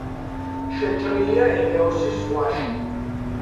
შეჭრილია ეგეოსის ზღვაში.